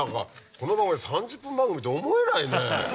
この番組３０分番組とは思えないね。